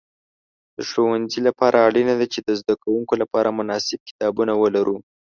د ښوونځي لپاره اړینه ده چې د زده کوونکو لپاره مناسب کتابونه ولري.